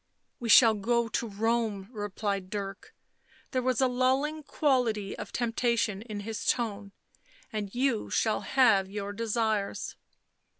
" We shall go to Rome," replied Dirk; there was a lulling quality of temptation in his tone. " And you shall have your desires."